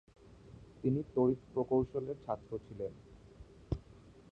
তিনি তড়িৎ প্রকৌশলের ছাত্র ছিলেন।